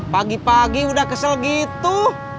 pagi pagi udah kesel gitu